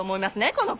この子。